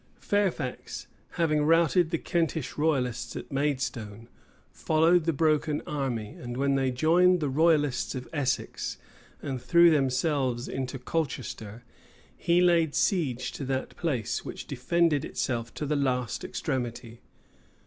Fairfax, having routed the Kentish royalists at Maidstone, followed the broken army; and when they joined the royalists of Essex, and threw themselves into Colchester, he laid siege to that place, which defended itself to the last extremity.